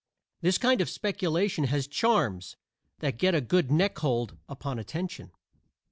This kind of speculation has charms that get a good neck hold upon attention.